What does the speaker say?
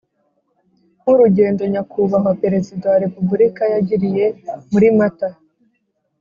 nk urugendo Nyakubahwa Perezida wa Repubulika yagiriye muri mata